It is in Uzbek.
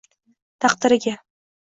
taqdiriga